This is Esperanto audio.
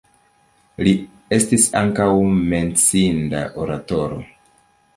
Li estis ankaŭ menciinda oratoro.